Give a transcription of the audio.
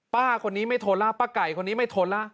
ป้าคนนี้ไม่ทนแล้วป้าไก่คนนี้ไม่ทนแล้ว